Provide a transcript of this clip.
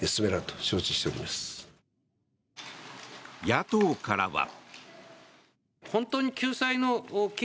野党からは。